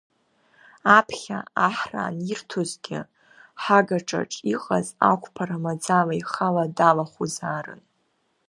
Аԥхьа аҳра анирҭозгьы, ҳагаҿаҿ иҟаз ақәԥара маӡала ихала далахәызаарын.